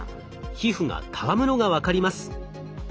皮膚がたわむのが分かります。